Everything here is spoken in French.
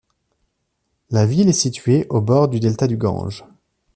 La ville est située au bord du delta du Gange.